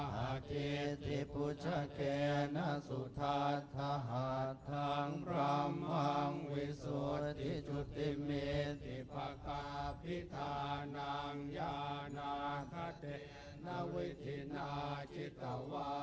หากิติปุชเกนัสุทธะทะหะทางพร้ำมังวิสุทธิจุติมิติภกะภิษฐานังยานาฮะเทนวิทินาฮิตวะ